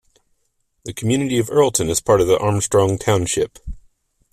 The community of Earlton is part of Armstrong Township.